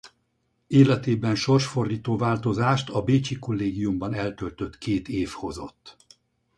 Életében sorsfordító változást a bécsi kollégiumban eltöltött két év hozott.